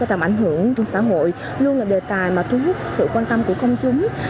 tầm ảnh hưởng trong xã hội luôn là đề tài mà thu hút sự quan tâm của công chúng